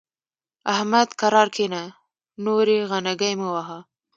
احمد؛ کرار کېنه ـ نورې غنګۍ مه وهه.